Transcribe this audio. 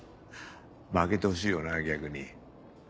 負けてほしいよな逆に。